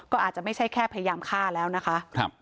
ก็อาจจะไม่ใช่แค่พยายามฆ่าแล้วนะคะ